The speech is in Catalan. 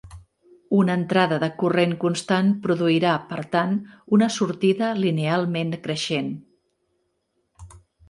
Una entrada de corrent constant produirà, per tant, una sortida linealment creixent.